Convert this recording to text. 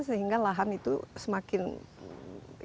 sehingga lahan itu semakin tidak di